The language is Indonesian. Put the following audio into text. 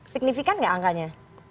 signifikan gak angkanya